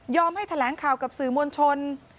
ให้แถลงข่าวกับสื่อมวลชน